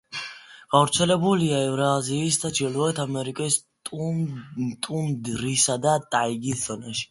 გავრცელებულია ევრაზიისა და ჩრდილოეთ ამერიკის ტუნდრისა და ტაიგის ზონაში.